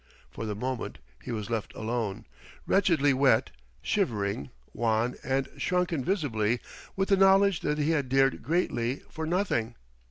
For the moment he was left alone, wretchedly wet, shivering, wan and shrunken visibly with the knowledge that he had dared greatly for nothing.